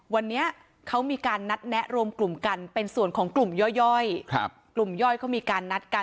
วันนี้เขามีการนัดแนะรวมกลุ่มกันเป็นส่วนของกลุ่มย่อยกลุ่มย่อยเขามีการนัดกัน